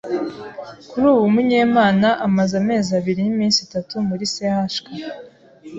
Kuri ubu Munyemana amaze amezi abiri n’iminsi itatu muri CHUK